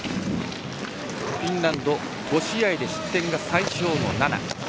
フィンランド５試合で失点が最小の７。